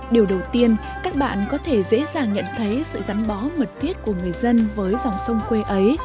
điều đầu tiên các bạn có thể dễ dàng nhận thấy sự gắn bó mật thiết của người dân với dòng sông quê ấy